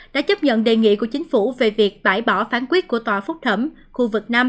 đã chấp nhận đề nghị của chính phủ về việc bãi bỏ phán quyết của tòa phúc thẩm khu vực năm